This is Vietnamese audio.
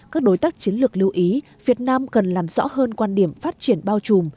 các đối tác chiến lược lưu ý việt nam cần làm rõ hơn quan điểm phát triển bao trùm